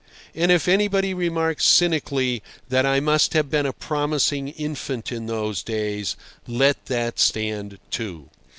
And if anybody remarks cynically that I must have been a promising infant in those days, let that stand, too.